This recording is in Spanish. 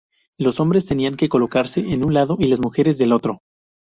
Los hombres tenían que colocarse de un lado, las mujeres del otro.